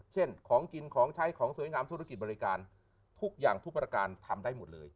ของกินของใช้ของสวยงามธุรกิจบริการทุกอย่างทุกประการทำได้หมดเลย